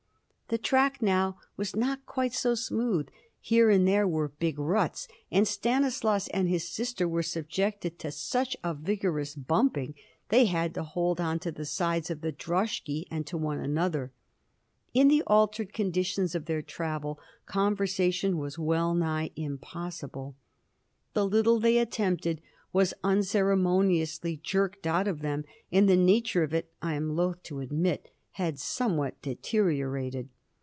The track now was not quite so smooth; here and there were big ruts, and Stanislaus and his sister were subjected to such a vigorous bumping that they had to hold on to the sides of the droshky, and to one another. In the altered conditions of their travel, conversation was well nigh impossible. The little they attempted was unceremoniously jerked out of them, and the nature of it I am loath to admit had somewhat deteriorated.